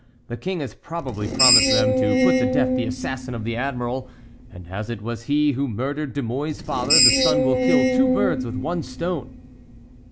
The King has probably promised them to put to death the assassin of the admiral; and as it was he who murdered De Mouy's father, the son will kill two birds with one stone."